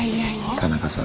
田中さん